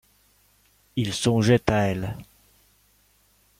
Il songeait à « Elle ».